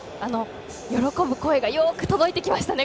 喜ぶ声がよく届いてきましたね。